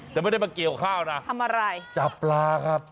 แต่ไม่ได้มาเกี่ยวข้าวนะจับปลาครับทำอะไร